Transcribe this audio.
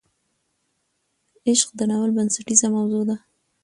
عشق د ناول بنسټیزه موضوع ده.